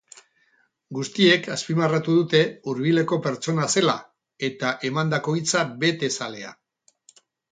Guztiek azpimarratu dute hurbileko pertsona zela eta emandako hitza bete zalea.